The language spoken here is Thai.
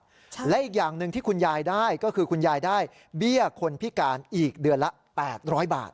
ใช่และอีกอย่างหนึ่งที่คุณยายได้ก็คือคุณยายได้เบี้ยคนพิการอีกเดือนละแปดร้อยบาท